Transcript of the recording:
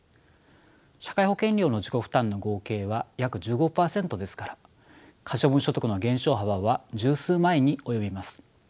社会保険料の自己負担の合計は約１５％ですから可処分所得の減少幅は十数万円に及びます。